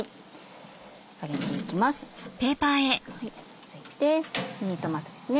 続いてミニトマトですね